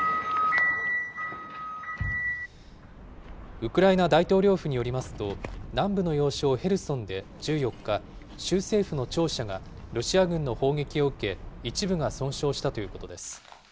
ウクライナ大統領府によりますと、南部の要衝ヘルソンで１４日、州政府の庁舎がロシア軍の砲撃を受け、一部が損傷したということです。